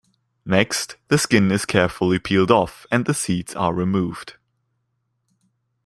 Next, the skin is carefully peeled off and the seeds are removed.